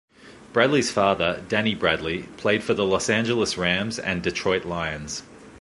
Bradley's father, Danny Bradley, played for the Los Angeles Rams and Detroit Lions.